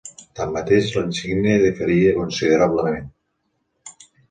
Tanmateix, la insígnia diferia considerablement.